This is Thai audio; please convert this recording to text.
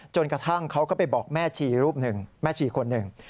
จนกระทั่งเขาก็ไปบอกแม่ชีรูปหนึ่งแม่ชีคนหนึ่ง